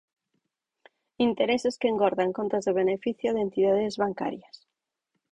Intereses que engordan contas de beneficio de entidades bancarias.